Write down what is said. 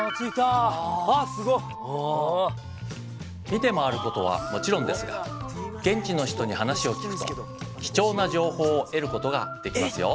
見て回ることはもちろんですが現地の人に話を聞くと貴重な情報を得ることができますよ。